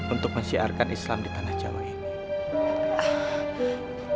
untuk mensiarkan islam di tanah jawa ini